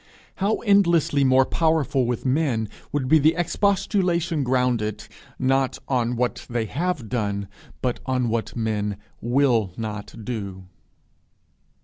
How endlessly more powerful with men would be expostulation grounded, not on what they have done, but on what they will not do!